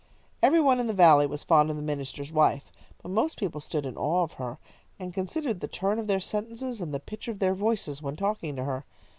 Every one in the Valley was fond of the minister's wife, but most people stood in awe of her, and considered the turn of their sentences and the pitch of their voices when talking to her.